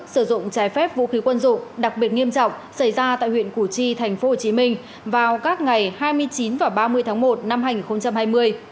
sử dụng trái phép vũ khí quân dụng đặc biệt nghiêm trọng xảy ra tại huyện củ chi tp hcm vào các ngày hai mươi chín và ba mươi tháng một năm hai nghìn hai mươi